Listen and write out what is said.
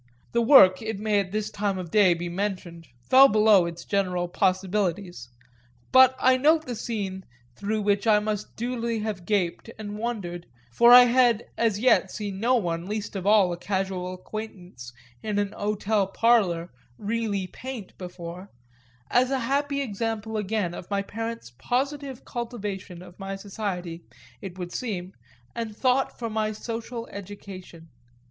The work, it may at this time of day be mentioned, fell below its general possibilities; but I note the scene through which I must duly have gaped and wondered (for I had as yet seen no one, least of all a casual acquaintance in an hotel parlour, "really paint" before,) as a happy example again of my parent's positive cultivation of my society, it would seem, and thought for my social education.